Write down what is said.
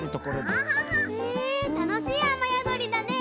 へぇたのしいあまやどりだね！